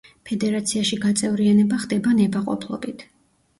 ფედერაციაში გაწევრიანება ხდება ნებაყოფლობით.